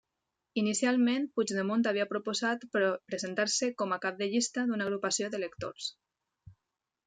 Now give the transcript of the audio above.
Inicialment Puigdemont havia proposat presentar-se com a cap de llista d'una agrupació d'electors.